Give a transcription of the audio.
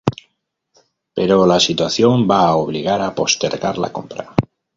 Pero la situación va a obligar a postergar la compra.